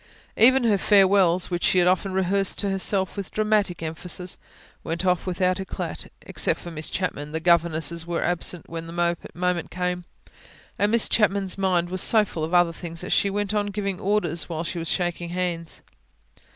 Even her farewells, which she had often rehearsed to herself with dramatic emphasis, went off without eclat. Except for Miss Chapman, the governesses were absent when the moment came, and Miss Chapman's mind was so full of other things that she went on giving orders while she was shaking hands.